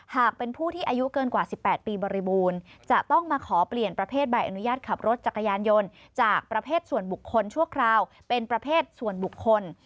หากเป็นผู้ที่อายุเกินกว่า๑๘ปีบริบูรณ์จะต้องมาขอเปลี่ยนประเภทใบอนุญาตขับรถจักรยานยนต์จากประเภทส่วนบุคคลชั่วคราวเป็นประเภทส่วนบุคคล